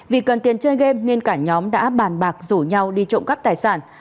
vì cần tiền chơi game nên cả nhóm đã bàn bạc rủ nhau đi trộm cắp tài sản